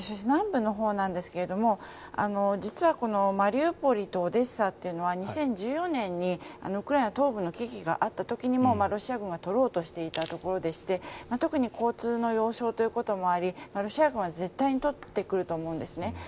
南部のほうなんですが実はこのマリウポリとオデッサというのは２０１４年にウクライナ東部の危機があった時にもロシア軍が取ろうとしていたところでして特に交通の要衝ということもありロシア軍は絶対に取ってくるんだと思うんです。